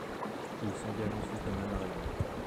Il s’engage ensuite dans la marine.